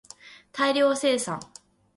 大量生産